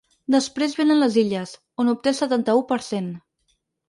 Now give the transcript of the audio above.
Després vénen les Illes, on obté el setanta-u per cent.